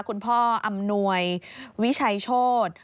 คุณพ่ออำนวยวิชัยโชธ